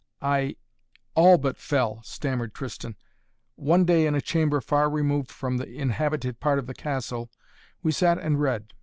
"I all, but fell!" stammered Tristan. "One day in a chamber far removed from the inhabited part of the castle we sat and read.